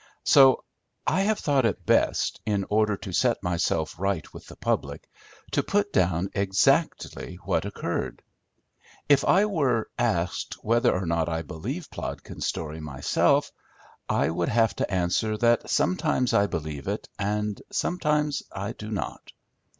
So I have thought it best, in order to set myself right with the public, to put down exactly what occurred. If I were asked whether or not I believe Plodkins' story myself, I would have to answer that sometimes I believe it, and sometimes I do not.